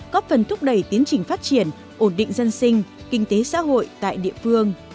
có phần thúc đẩy tiến trình phát triển ổn định dân sinh kinh tế xã hội tại địa phương